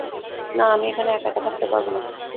না, আমি এখানে একা থাকতে পারবো না।